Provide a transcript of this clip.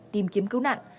tìm kiếm cứu nạn